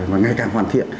và ngày càng hoàn thiện